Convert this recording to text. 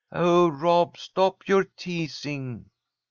"Oh, Rob! Stop your teasing."